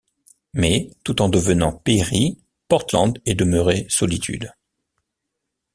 Mais, tout en devenant pairie, Portland est demeuré solitude.